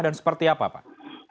dan seperti apa pak